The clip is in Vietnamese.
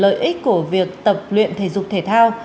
lợi ích của việc tập luyện thể dục thể thao